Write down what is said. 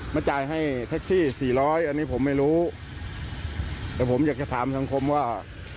มาจ่ายให้แท็กซี่สี่ร้อยอันนี้ผมไม่รู้แต่ผมอยากจะถามสังคมว่า